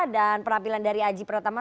dan perampilan dari aji pratama